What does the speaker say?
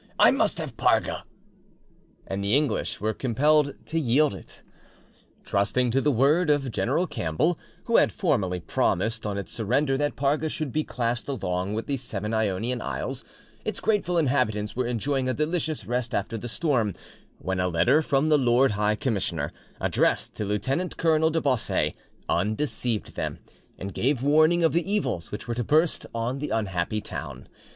I must have Parga."—And the English were compelled to yield it! Trusting to the word of General Campbell, who had formally promised, on its surrender, that Parga should be classed along with the seven Ionian Isles; its grateful inhabitants were enjoying a delicious rest after the storm, when a letter from the Lord High Commissioner, addressed to Lieutenant Colonel de Bosset, undeceived them, and gave warning of the evils which were to burst on the unhappy town.